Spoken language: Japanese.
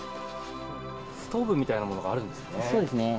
ストーブみたいなものがあるそうですね。